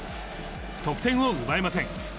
得点を奪えません。